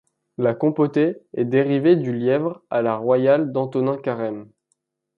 La compotée est dérivée du lièvre à la royale d’Antonin Carême.